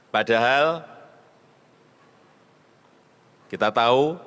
padahal kita tahu